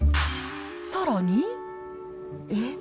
さらに。えっ？